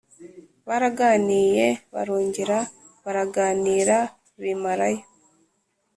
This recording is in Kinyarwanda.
baraganiye barongera baraganira bimarayo.